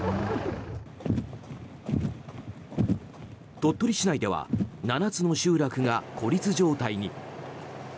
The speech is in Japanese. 鳥取市内では７つの集落が孤立状態に。